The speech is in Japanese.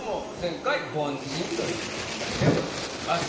まあというお二人でございます。